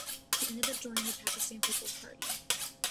He ended up joining the Pakistan Peoples Party.